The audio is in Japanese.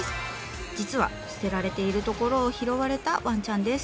実は捨てられているところを拾われたわんちゃんです。